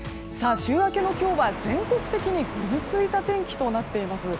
週明けの今日は全国的にぐずついた天気となっています。